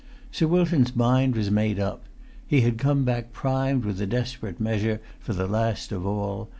Sir Wilton's mind was made up. He had come back primed with a desperate measure for the last of all.